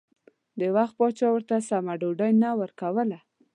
د وخت پاچا ورته سمه ډوډۍ نه ورکوله.